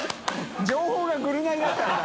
霾鵑「ぐるナイ」だったんだ。